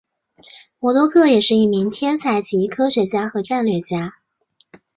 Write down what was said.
魔多客也是一名天才级科学家和战略家。